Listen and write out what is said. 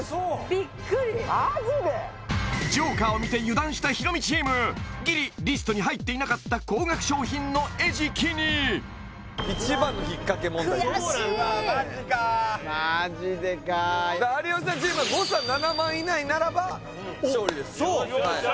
ビックリＪＯＫＥＲを見て油断したヒロミチームギリリストに入っていなかった高額商品の餌食に悔しいうわっマジかマジでか有吉さんチームは誤差７万以内ならば勝利ですおっそう！